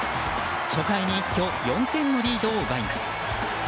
初回に一挙４点のリードを奪います。